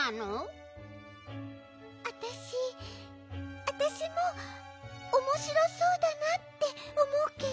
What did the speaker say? あたしあたしもおもしろそうだなっておもうけど。